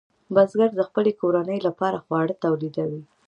بزګر د خپلې کورنۍ لپاره خواړه تولیدوي.